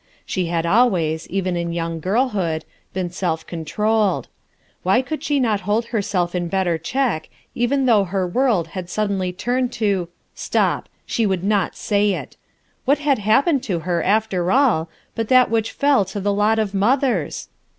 She had always, even in young girlhood, been self con trolled. Why could she not hold herself in better check even though her world had suddenly turned to — stop ! she would not say it ! What had happened to her, after all, but that whieh fell to the lot of mothers?